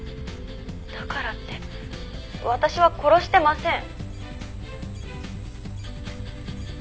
「だからって私は殺してません」